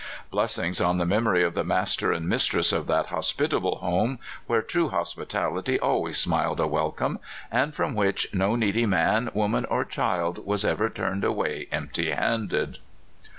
Blessings on the memory of the master and mistress of that hospitable home, where true hospitality always smiled a welcome, and from which no needy man, woman, or child was ever turned away empty handed